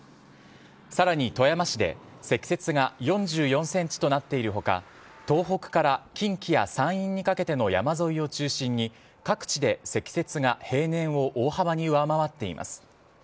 さらに富山市で積雪が４４センチとなっているほか、東北から近畿や山陰にかけての山沿いを中心に、各地で積雪が平年を大幅に上回っています。